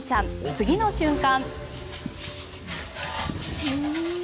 次の瞬間。